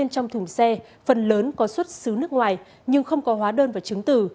trong thùng xe phần lớn có xuất xứ nước ngoài nhưng không có hóa đơn và chứng từ